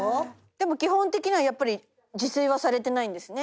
でも基本的にはやっぱり自炊はされてないんですね？